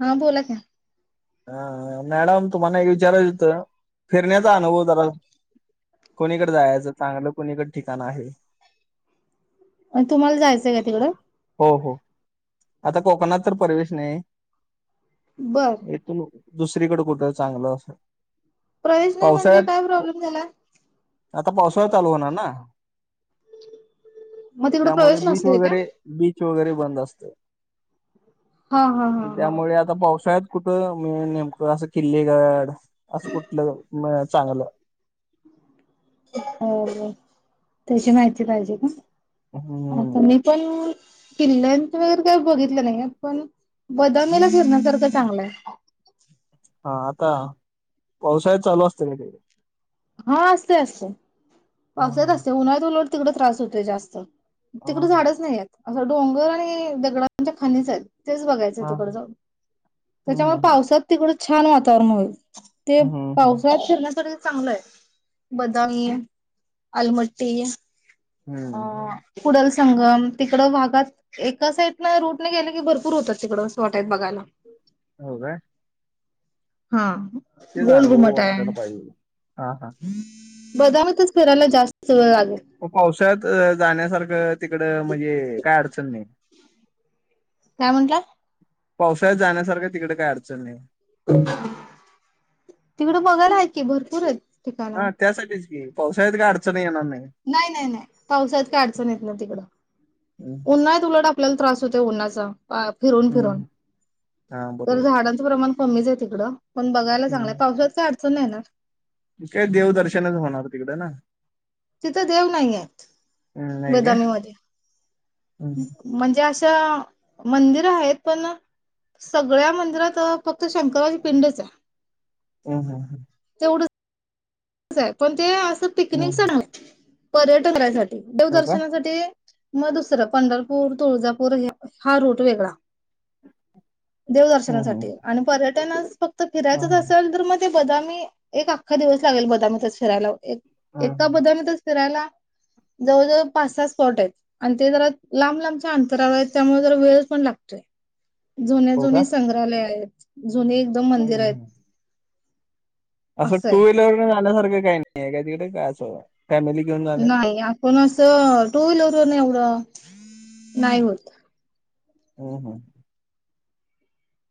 हा बोला का. हा मॅडम तु म. विचार फिरण्याचा अनुभव जरा कोणीकडे जायचं चांगलं. कोणीकड ठिकाण आहे. आणि तुम्हाला जायचंय का तिकडं. हो हो. आता कोकणात तर परवेश नाही. बरं. इथून दुसरीकडे कुठं चांगलं अस. प्रवेश नाही म्हणजे पावसाळ्यात काय प्रॉब्लेम झाला? आता पावसाळ चालू होणार ना. मग तिकड त्यामुळे प्रवेश बीच नसतोय का? वगैरे बीच वगैरे बंद असत. हा हा हा हा. त्यामुळे आता पावसाळ्यात. कुठ म नेमकं असं किल्लेगाड असं कुठलं चांगलं. हो त्याची माहिती पाहिजे का हम्म आता मी. पण किल्ल्याचं वगैरे काही बघितलं नाही पण. बदामीला फिरणसारखं चांगलंय. हा आता पावसाळत चालू असत का. हा असते असे. हा पावसाात हा असते उन्हाळत उलवर तिकडं त्रास होत जास्त तिकडं हा झाडच नाहीय. असं डोंगर आणि दगडांच्या खाणीच आहेत. तेच बघायचं हा तिकड जाऊन हम्म त्याच्यामुळे हम्म पावसात तिकडं छान वातावरण होईल ते हम्म हम्म हम्म पावसाळ्यात फिरण्यासाठी चांगलं आहे बदामी. आलमट्टी अ हम्म कुडल संगम तिकड वागात. एकसं आहेत ना रूटनेे गेले की भरपूर होतात तिकडं स्ॉट आहेत बघायला. हो का. हा तेच गोल अनुभव घुमटय आपल्याला पाहिजे हा हा बदामातच फिरायला जास्त वेळ लागेल पावसा्याात जाण्यासारखं तिकड म्हणजे काय अडचण नाही काय म्हटलं पावसाळ्यात जाण्यासारखं तिकडे काय अडचण नाही तिकडं बघायला आहे की भरपूर आहेत ठिकाणं. हा त्यासाठीच घी पावसाळ्यात काय अडचण येणार नाही नाही नाही नाही पावसाात का अडचण येत ना तिकडं हम्म उन्हाळत उलटा आपल्याला त्रास होत उन्हाचा फिरून फिरून हम्म हा तर बरोबर झाडांच प्रमाण कमीच आहे तिकडं पण बघायला चांगलंय हम्म पावसाातच अडचण आहे ना काय देवदर्शनच होणार तिकडे ना तिथं देव नाही आहेत हम्म, नाही काय बदामी म हम्म म्हणजे अशा मंदिरं आहेत पण सगळ्या मंदिरात फक्त शंकराराची पिंडच आहे हम्म हम्म तेवढं पण ते असं हम्म पिकनिक च हम्म. पर्यटन राहायसाठी देव हो का दर्शनासाठी मग दुसरं. पंढरपूर, तुळजापूर हा रूट वेगळा. हम्म देवदर्शनासाठी. हम्म आणि पर्यटनास फक्त हा फिरायचंच हा असेल तर म ते बदामी, एक अख्खा दिवस लागेल बदामी तच फिरायला. हम्म एका हम्म. बदामी तच फिरायला जवळजवळ पाच -सात स्पॉट आहेत. आणि ते जरा लांब लांबच्या अंतरावर आहेत, त्यामुळे जर वेळ पण लागतोय. जुने हो का जुने संग्रहालय आहेत, जुने एकदम हम्म मंदिर आहेत. हम्म असं टू व्हीलर न जाण्यासारख काही नाही आहे का तिकडे? काय असं. फॅमिली घेऊन जाण्या नाही. आपण अस, टू व्हीलरवर एवढं नाही होत. हो ह.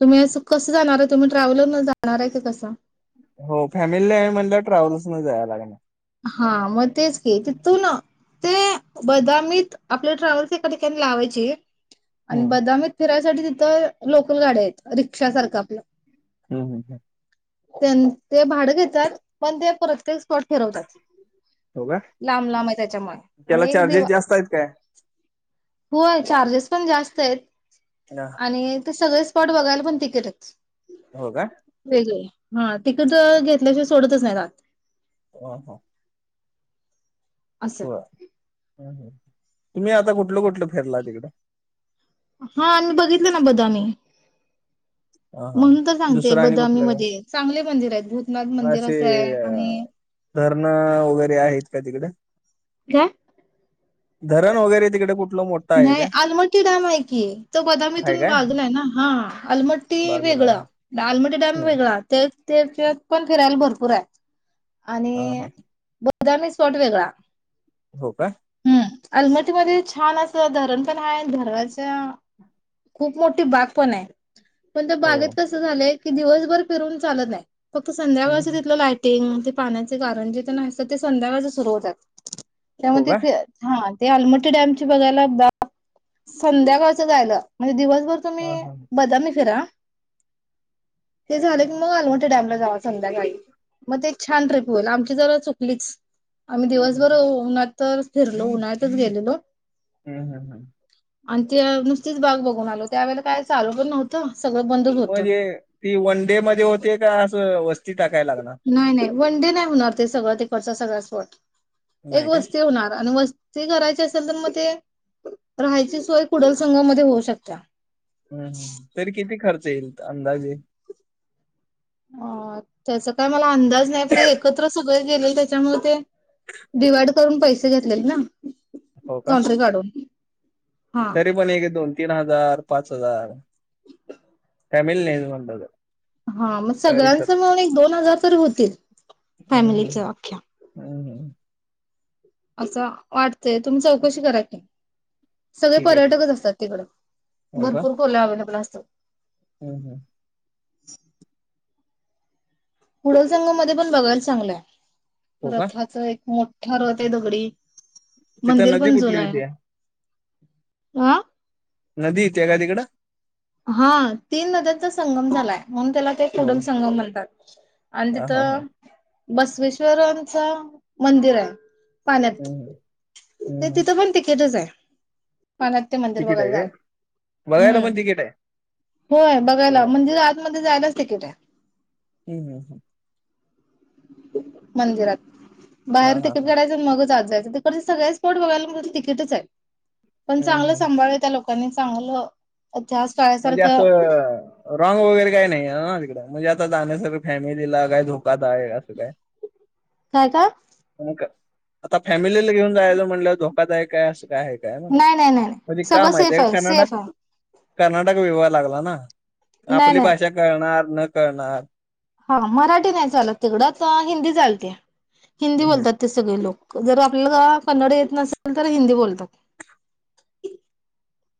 तुम्ही कसं जाणार आहे? तुम्ही ट्रॅव्हलर न जाणार आहे? का कस हो फॅमिली आहे म्हणल्यावर ट्रॅव्हलस न जायला लागणार हा मग तेच की. ते तू ना ते बदामीत, आपले ट्रॅव्हल्स एका ठिकाणी लावायचे. हम्म आणि बदामीत फिरायसाठी, तिथं लोकल गाड्या आहेत. रिक्षा सारखं आपलं. हम ह ह. ते भाडं घेतात पण ते प्रत्येक स्पॉट फिरवतात. हो का लांब लांब आहे त्याच्यामुळे आणि त्याला एक चार्जेस दिव जास्त आहेत काय? होय. चार्जेस पण जास्त आहेत. ना आणि ते सगळे स्पॉट बघायला पण तिकीटच. हो काय वेगळे. हा तिकड घेतल्याशिवाय सोडतच नाही रात ह ह. असं हो. तुम्ही आता कुठलं -कुठलं फिरला तिकडं? हा आणि बघितलं ना बदामि ह हा सांगते दुसरं आणि बदामी कुठलं? का मध्ये चांगले मंदिर आहेत भूतनाथ म मंदिर असे असं आहे आणि धरणं वगैरे आहेत का? तिकडे. काय? धरण वगैरे तिकडे कुठलं मोठ नाही आलमट्टी डॅम आहे की, तो आहे बदामीतून काय बागलाय ना हा आलमट बाजूला वेगळं, लालमटी ह डॅम वेगळा, त्याच्यात पण फिरायला भरपूर आहे. हा आणि हा बदामी स्पॉट वेगळा. हो का. हम्म अलमटीमध्येध्ये छान अस धरण पण हाय धरनाच्या खूप मोठी बाग पण आहे. पण त्या हो बागेत कस झालंय, की दिवसभर फिरून चालत नाही फक्त हम्म. संध्याकाळच तिथलं लाईट. तेंग ते पाण्याचे कारण [unintelligible] ते संध्याकाळच सुरू होतात हो का त्यामध्ये ह हा ते आलमटी डॅमची बघायला, संध्याकाळचं जायला म्हणजे दिवसभर तुम्ही हा बदामी फिरा. ते झालं की मग आलमठ्या डॅम ला जावं संध्याकाळी. मग ते छान ट्रिप होईल. आमची जरा चुकलीच. आम्ही हम्म दिवसभर हम्म उन्हात च फिरलो, उन्हळ्याच गेलेलो. हम् हम् हम. आणि ते नुसतीच बाग बघून आलो, त्यावेेळेला काय चालू पण नव्हत सगळं बंद म्हणजे ती वन डे मध्ये होते, का असं वस्ती टाकायला लागणार? नाही, नाही वन डे नाही होणार ते सगळं, तिकडचा सगळा स्पॉट. एक नाही काय वस्ती होणार आणि वस ते करायचे असेल तर मग ते, राहायची सोय कुडल संघामध्ये होऊ शकता. हम् हम तरी किती खर्च येईल? अंदाजे. अ त्याचा काय मला अंदाज नाही तर एकत्र सु गेले त्याच्यामुळे ते डिवाइड करून पैसे घेतले ना हो का? काउंटर काढून हा तरी पण एक दोन तीन हजार पाच हजार फॅमिली नाही म्हणत हा मग सगळ्यांच म्हळून एक दोन हजार तरी होतील फॅमिलीच अख्ख्या हम् हम् असं वाटतंय तुम्ही चौकशी कराची सगळे ठीक आहे ठीक. पर्यटकच असतात तिकडे भरपूर खोल्या अवे्हेलेबल असतात हम हम हुडल संंग मध्ये पण बघायला चांगलंय हो का? रथाच एक मोठ ठरवत आहे दगडी तिथं मंदिर नदी पण कुठली जुन आहे येते? ह नदी येते का तिकडं हा तीन नद्यांचा संगम झालाय म्हणून त्याला ते हो. कुडम संगम म्हणतात आणि हां, हां, हां. तिथं बसवेश्वरांच मंदिर आहे पाण्यात हम्म, ते हम्म, हम्म. तिथं पण तिकीटच आहे पाण्यात ते मंदिर तिकीट वगैरे आहे काय? जाल बघायला हम्म पण तिकीट आहे? होय बघायला बरं. म्हणजे आतमध्येध्ये जायलाच तिकीट आहे हम् हम हम मंदिरात हां, बाहेर हां, तिकीट हां. काढायचं मगच आज जायचं तर सगळे स्पोट बघायला म्ह तर तिकीटच आहे पण हम्म, चांगलं हम्म. संांभाळ आहे त्या लोकांनी चांगलं त्या म्हणजे शाळेसारख्या असं रॉंग वगैरे काही नाही आहे ना तिकड म्हणजे आता जाण्यासं फॅमिलीला काय धोकादा आहे असं काय काय का आता फॅमिलीला घेऊन जायचं म्हणलं धोकादायक आहे असं काय काय म नाही नाही नाही म्हण नाही का सगळं माती सेफ आहे का कर्नाटक सेफ आहे कर्नाटक विवाह लागला ना नाही आपली नाही भाषा कळणार न कळणार हा मराठी नाही चालत तिकडं हिंदी चालते हिंदी हम्म. बोलतात ते सगळे लोक जर आपल्याला कन्नड येत नसेल तर हिंदी बोलतात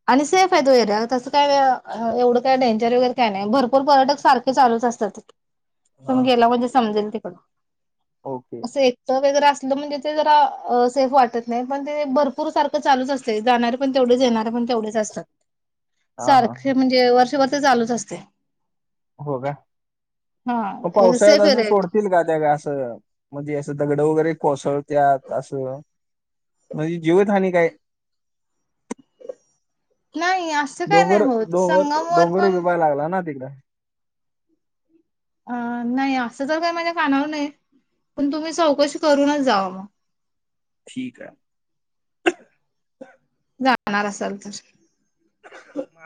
आणि सेफ आहे तो एरिया तसं काय एवढं काय डेंचर वगैर काय नाही भरपूर पर्यटक सारखे चालूच असतात हा तुम गेला म्हणजे समजेल तिकडं ओके सेफ वगरे असलं म्हणजे ते जरा सेफ वाटत नाही पण ते भरपूर सारख चालूच अस जाणार पण तेवढंच येणार पण व असात हा हा सारे म्हणजे वर्षभर चालूच असते हो का मग पावसाळ्यात सेफ आहे असून रेट. सोडतील का त्या का असं म्हणजे असं दगड वगैरे कोसळतत असं म्हणजे जीवत हानी काय नाही असं काही नाही होत संगम वर पण ला ना अ नाही असं तर काही माझ्या कानावर नाही पण तुम्ही चौकशी करूनच जा मग ठीक आहे जाणार असाल तर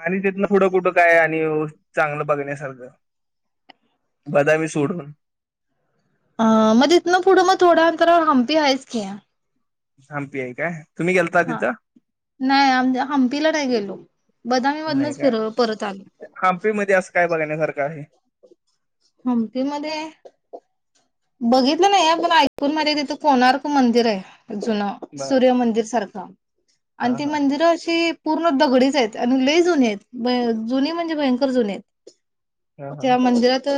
आणि त्यातनं थोडं कुठं काय आणि चांगलं बघण्यासारखं बदामी सोडून अ मग तथनं पुढं मग थोडं तर हम्पी आहेयच की थांपी आहे काय तुम्ही गेलता हा तिथं नाही आम हमपीला नाही गेलो बदामीमधनच फिर परत आलो हांपी मध्ये असं काय बघण्यासारखं आहे हमती मध्ये बघितलं नाही आपण ऐकून मझ्या तिथे कोणारारक मंदिर आहे जुनं बर सूर्य मंदिर सारखं हा आणि ती हा मंदिरं अशी पूर्ण दगडीच आहेत आणि लय जुने आहेत जुने म्हणजे भयंकर जुने आहेत. हा हा त्या मंदिरात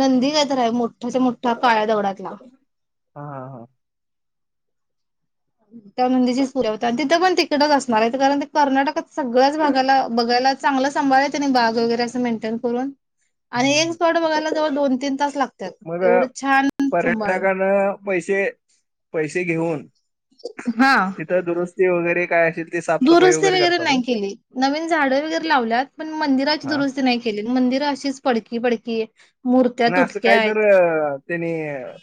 नंदी कायतर आहे मोठ. असं मोठ काळ्या दडात लाग. हा हा हा. त्या नंदीची पूजा होत्या आणि तिथं पण तिकडच असणार आहे कारण कर्नाटकात सगळ्याच भागाला बघायलाच. चांगलं सांभाळनी बाग वगैरे अस मेंटेन करून आणि एक हम्म स्पॉट बघायला जवळ दोन तीन तास लागत. मग पर्यटकांना पैसे पैसे घेऊन. हा. दुरुस्ती वगैरे काय अशी. दुरुस्ती वगैरे नाही केली नवीन झाडं वगैरे लावल्यात पण मंदिराची हा. दुरुस्ती नाही केली. केली मंदिर अशीच पडकी पडकी आहे मूर्त्या ना असं तुटक्या काही आहेत. तर त्यांनी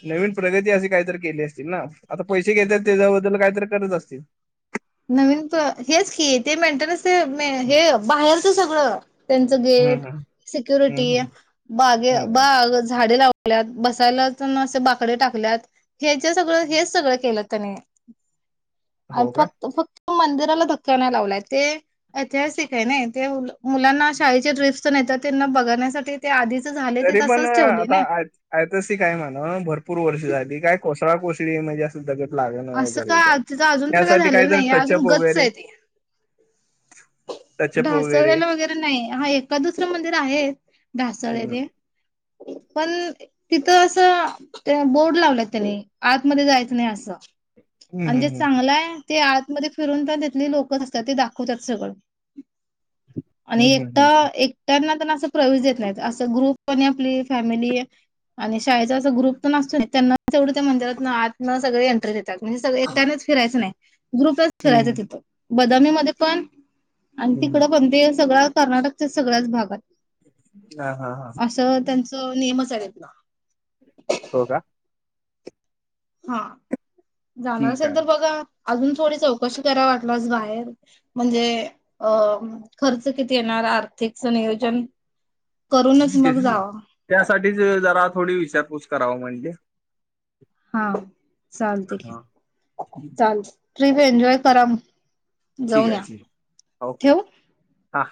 नवीन प्रगती अशी काहीत केली असते. ना आता पैसे घेतात त्याच्याबद्दल काहीतरी करत असतील. नवीन प हेच की ते मेंटनस ते हे बाहेरच सगळं. त्यांच हम्म गेट हम्म सिक्युरिटी हम्म बागे हम्म बाग झाडे लाव. कत बसायला तेन असे बाकडे टाकल्यात. हे ज सगळं हेच सगळं केलं त्यानी हो का? फक्त फक्त मंदिराला धक्का नाही लावलाय ते ऐतिहासिक आहे ना ते मुलांना शाळेचे ट्रिप्स तेन येतात त्यांना बघण्यासाठी. ते आधीच झाले ते तसच ठेवले ना. आ तशी काय म्हणा भरपूर वर्ष झाली काय कोसळा कोसळी म्हणजे लागण असं वगैरे का काय तिचं अजून तर काय त्यासाठी काही झालेलं जर नाही अजून टचअप गच्च वगैरे. आहे ते. [inaudible] ढासवळला वगैरे नाही हा एका दुसरं मंदिर आहे हम्म ढासळलेले. पन. तिथं असं त्या बोर्ड लावलेत त्याने आतमध्ये जायचं नाही असं. हम्म आणि जे हम्म चांगलं आहे ते आतमध्ये फिरून पण घेतले लोकच असतात ते दाखवतात सगळं. आणि हम्म एकटा हम्म एकट्यांना प असं प्रवेश देत नाहीत असं ग्रुप पणे आपली फॅमिली. आणि शाळेचा असं ग्रुप तर नसतो त्यांना तेवढं त्या मंदिरात न आत न सगळे एंट्री देत. म्हणजे सगळे एकट्यानेच फिरायचं नाही ग्रुपच फिरायचं हम्म तिथं बदामीमध्ये पण. आणि हम्म, हम्म. तिकडं पण ते सगळ्या कर्नाटकच्या सगळ्याच भागात. हा हा हा असं त्यांचं नियमच आहेत ना. हो का. हा जाणार ठीक असेल तर आहे बघा अजून थोडी चौकशी कराय वाटलस बाहेर. म्हणजे अ खर्च किती येणार आर्थिकच नियोजन. करूनच मग तेच की जावा त्यासाठीच जरा थोडी विचारपूस कराव म्हणजे हा चालतय की हा चाल ट्रिप एन्जॉय करा म ठीक आहे ठीक ओके हां.